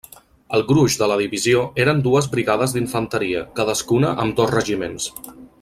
El gruix de la divisió eren dues brigades d'infanteria, cadascuna amb dos regiments.